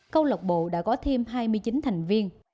câu lạc bộ đã có thêm hai mươi chín thành viên